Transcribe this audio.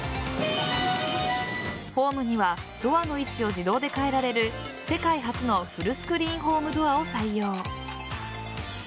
ホームにはドアの位置を自動で変えられる世界初のフルスクリーンホームドアを採用。